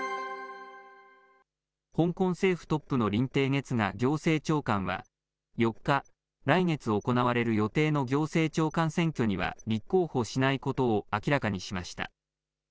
香港政府トップの林鄭月娥行政長官は、４日、来月行われる予定の行政長官選挙には立候補しないことを明らかにしました。